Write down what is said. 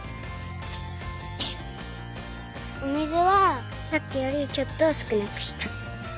お水はさっきよりちょっとすくなくした。